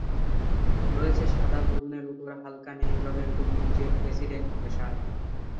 রয়েছে সাদা ভবনের ওপর হালকা নীল রঙের গম্বুজের প্রেসিডেন্ট প্রাসাদ।